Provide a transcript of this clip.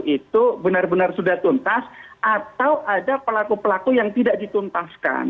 itu benar benar sudah tuntas atau ada pelaku pelaku yang tidak dituntaskan